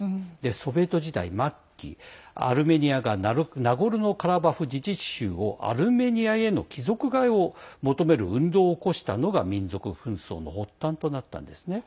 ソビエト時代末期、アルメニアがナゴルノカラバフ自治州をアルメニアへの帰属替えを求める運動を起こしたのが民族紛争の発端となったんですね。